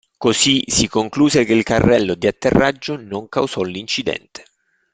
Così si concluse che il carrello di atterraggio non causò l'incidente.